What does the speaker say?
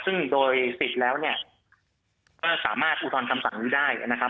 ซึ่งโดยสิทธิ์แล้วเนี่ยก็สามารถอุทธรณ์คำสั่งนี้ได้นะครับ